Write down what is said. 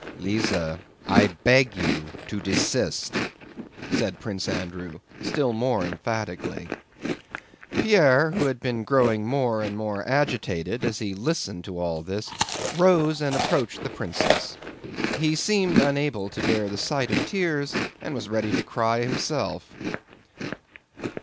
"Lise, I beg you to desist," said Prince Andrew still more emphatically. Pierre, who had been growing more and more agitated as he listened to all this, rose and approached the princess. He seemed unable to bear the sight of tears and was ready to cry himself.